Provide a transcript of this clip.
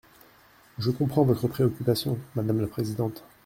Je comprends votre préoccupation, madame la présidente.